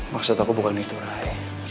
maksud aku bukan itu raya